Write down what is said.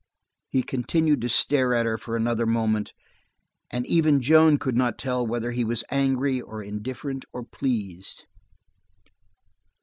He continued to stare at her for another moment, and even Joan could not tell whether he were angry or indifferent or pleased.